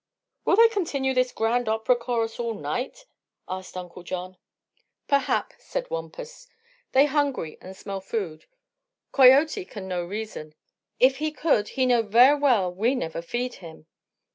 "Will they continue this Grand Opera chorus all night?" asked Uncle John. "Perhap," said Wampus. "They hungry, an' smell food. Coyote can no reason. If he could, he know ver' well we never feed him."